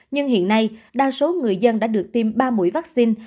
nhưng hiện nay đa số người dân đã được tiêm ba mũi vaccine